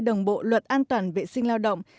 đồng bộ luật an toàn vệ sinh lao động